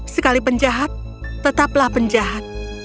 sekali penjahat tetaplah penjahat